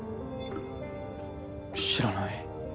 知らない。